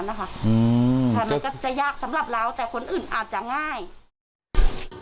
แต่มันก็จะยากสำหรับเราแต่คนอื่นอาจจะง่าย